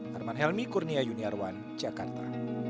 harman helmy kurnia yuniarwan jakarta